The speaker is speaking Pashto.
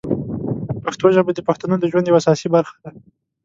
پښتو ژبه د پښتنو د ژوند یوه اساسي برخه ده.